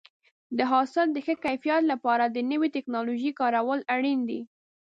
د حاصل د ښه کیفیت لپاره د نوې ټکنالوژۍ کارول اړین دي.